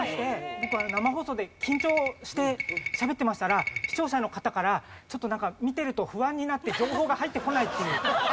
僕生放送で緊張してしゃべってましたら視聴者の方からちょっとなんか見てると不安になって情報が入ってこないっていう。